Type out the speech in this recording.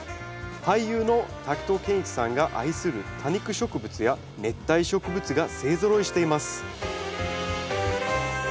俳優の滝藤賢一さんが愛する多肉植物や熱帯植物が勢ぞろいしています